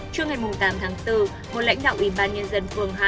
trước ngày tám tháng bốn một lãnh đạo ủy ban nhân dân phường hai